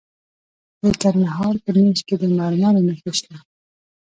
د کندهار په نیش کې د مرمرو نښې شته.